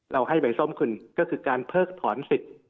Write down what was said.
ให้ใบส้มคุณก็คือการเพิกถอนสิทธิ์